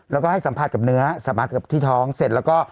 แล้วก็ให้สัมผัสกับเนื้อสัมผัสกับที่ท้องเสร็จแล้วก็